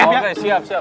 oke siap siap